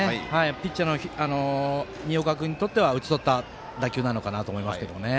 ピッチャーの新岡君にとっては打ち取った打球なのかなと思います。